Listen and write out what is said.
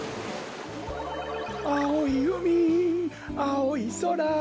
「あおいうみあおいそら」